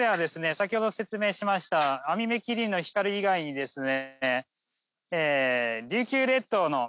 先ほど説明しましたアミメキリンの光以外にですね。